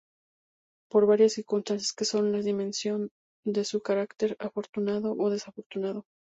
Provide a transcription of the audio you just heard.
Por varias circunstancias, que son la dimensión de su carácter afortunado o desafortunado.